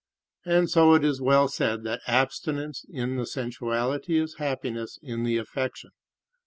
" And so it is well said that abstinence in the sensuality is happiness in the affection.